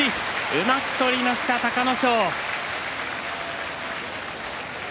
うまく取りました、隆の勝。